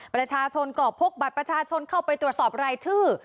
ประชาชนก็พกบัตรประชาชนเข้าไปตรวจสอบรายชื่อ